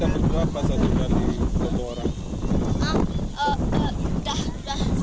juru foto cilik ini mengaku dibayar seikhlas